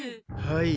はい。